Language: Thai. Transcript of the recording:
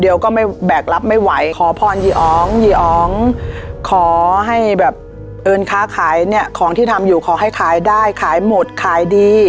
ก็ไม่แบกรับไม่ไหวขอพรยีอ๋องยีอ๋องขอให้แบบเอิญค้าขายเนี่ยของที่ทำอยู่ขอให้ขายได้ขายหมดขายดี